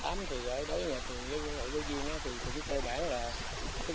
và còn ở trang trại là con thích nhất là những chú bò sữa rất là đáng yêu và dễ thương